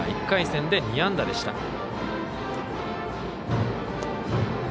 １回戦で２安打でした。